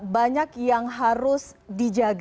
banyak yang harus dijaga